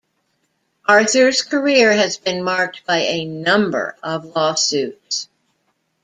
Arthur's career has been marked by a number of lawsuits.